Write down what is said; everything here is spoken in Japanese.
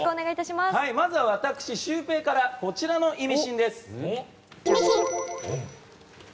まずは、私シュウペイからこちらのイミシンです。